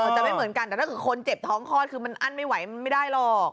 จะไม่เหมือนกันแต่ถ้าเกิดคนเจ็บท้องคลอดคือมันอั้นไม่ไหวมันไม่ได้หรอก